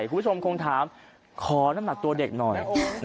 คุณผู้ชมคงถามขอน้ำหนักตัวเด็กหน่อย